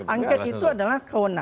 angket itu adalah kewenangan